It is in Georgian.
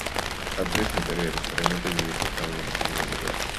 ტაძრის ინტერიერის რემონტი დიდი ხნის განმავლობაში გრძელდებოდა.